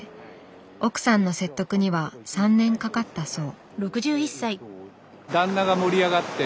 奥さんの説得には３年かかったそう。